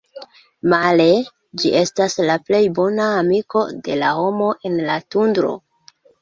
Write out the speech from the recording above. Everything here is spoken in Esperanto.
Male, ĝi estas la plej bona amiko de la homo en la Tundro.